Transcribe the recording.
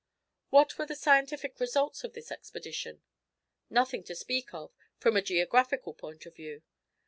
What were the scientific results of this expedition? Nothing to speak of, from a geographical point of view.